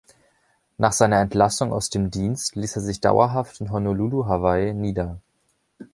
Nach seiner Entlassung aus dem Dienst ließ er sich dauerhaft in Honolulu, Hawaii, nieder.